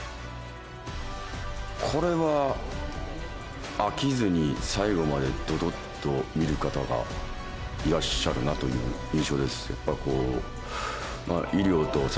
これは飽きずに最後までどどっと見る方がいらっしゃるなという印象です。